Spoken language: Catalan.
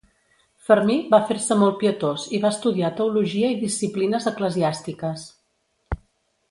Fermí va fer-se molt pietós i va estudiar teologia i disciplines eclesiàstiques.